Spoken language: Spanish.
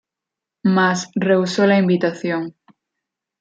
Mas, rehusó la invitación.